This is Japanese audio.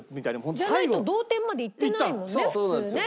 じゃないと同点までいってないもんね普通ね。